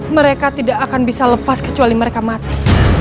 mereka tidak akan bisa lepas kecuali mereka mati